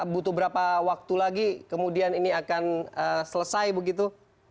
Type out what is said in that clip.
butuh berapa waktu lagi kemudian ini akan selesai begitu